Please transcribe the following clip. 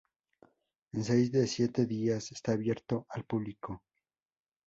En seis de siete dias, está abierto al público.